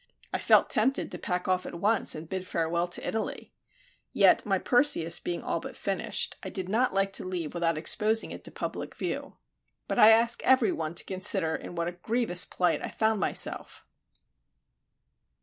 I felt tempted to pack off at once and bid farewell to Italy. Yet my Perseus being all but finished, I did not like to leave without exposing it to public view. But I ask every one to consider in what a grievous plight I found myself!